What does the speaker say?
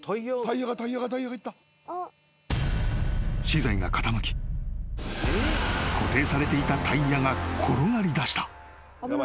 ［資材が傾き固定されていたタイヤが転がりだした］